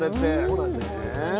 そうなんですよ。